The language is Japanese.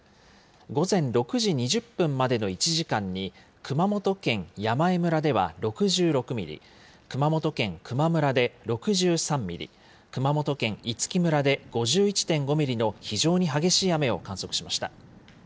午前６時２０分までの１時間に、熊本県山江村では６６ミリ、熊本県球磨村で６３ミリ、熊本県五木村で５１．５ミリの非常に激しい雨を観測しました。